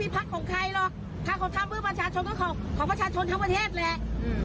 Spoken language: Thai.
ภาคของท่านเพื่อประชาชนและของประชาชนทั้งประเทศแหละ